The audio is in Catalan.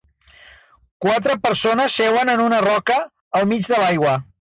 Quatre persones seuen en una roca al mig de l'aigua.